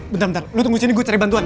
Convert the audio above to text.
bentar lu tunggu sini gue cari bantuan ya